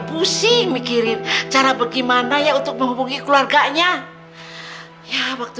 pusing mikirin cara bagaimana ya untuk menghubungi keluarganya ya waktu